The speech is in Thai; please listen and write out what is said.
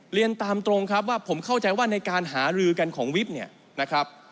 เรียนตามตรงครับว่าผมเข้าใจว่าในการหารือกันของวิทย์เนี่ยนะครับ